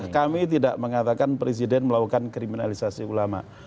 kami tidak mengatakan presiden melakukan kriminalisasi ulama